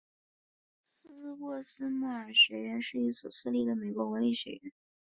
斯沃斯莫尔学院是一所私立的美国文理学院。